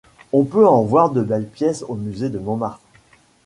On peut en voir de belles pièces au musée de Montmartre.